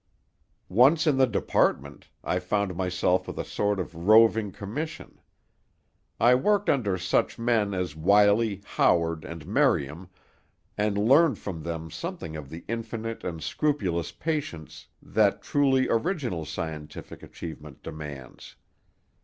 "Once in the Department, I found myself with a sort of roving commission. I worked under such men as Wiley, Howard, and Merriam, and learned from them something of the infinite and scrupulous patience that truly original scientific achievement demands.